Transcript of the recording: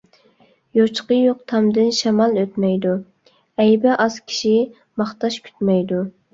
يوچۇقى يوق تامدىن شامال ئۆتمەيدۇ، ئەيىبى ئاز كىشى ماختاش كۈتمەيدۇ.